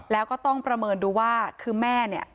แล้วก็ต้องประเมินดูว่าคือแม่เนี่ย